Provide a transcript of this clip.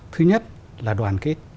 thứ nhất là đoàn kết